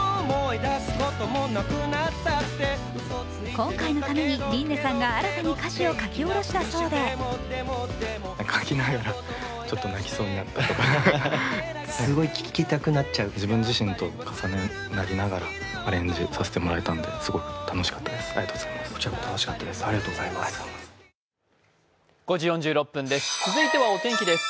今回のためにＲｉｎ音さんが歌詞を新たに書き下ろしたそうで続いてはお天気です。